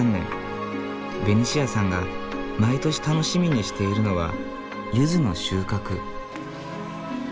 ベニシアさんが毎年楽しみにしているのはゆずの収穫。